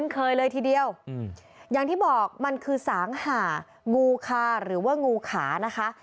เคยเลยทีเดียวอย่างที่บอกมันคือสางหางูคาหรือว่างูขานะคะ